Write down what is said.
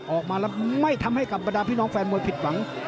ออกมาแล้วไม่ทำให้กับบรรดาพี่น้องแฟนมวยผิดหวัง